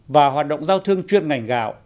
và hoạt động giao thương chuyên ngành gạo